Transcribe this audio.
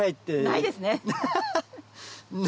ないですね。